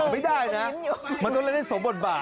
ไม่ได้นะมันต้องเล่นได้สมบทบาท